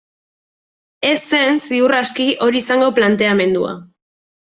Ez zen, ziur aski, hori izango planteamendua.